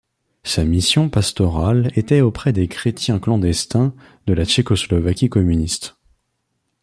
Sa mission pastorale était auprès des chrétiens clandestins de la Tchécoslovaquie communiste.